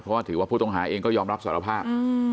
เพราะว่าถือว่าผู้ต้องหาเองก็ยอมรับสารภาพ